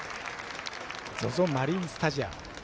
ＺＯＺＯマリンスタジアム。